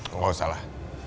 enggak usah lah